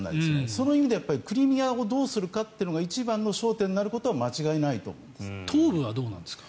その意味ではクリミアをどうするかってのが一番の焦点になることは東部はどうなんですか。